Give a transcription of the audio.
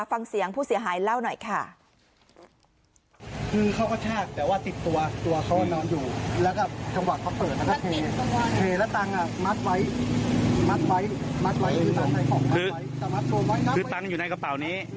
ฟังเสียงผู้เสียหายเล่าหน่อยค่ะ